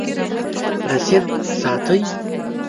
رسید ساتئ؟